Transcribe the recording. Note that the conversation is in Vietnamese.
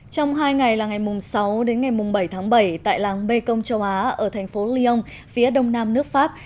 trong hai ngày là ngày sáu đến ngày bảy tháng bảy tại làng mê công châu á ở thành phố lyon phía đông nam nước pháp